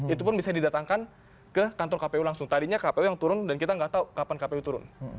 itu pun bisa didatangkan ke kantor kpu langsung tadinya kpu yang turun dan kita nggak tahu kapan kpu turun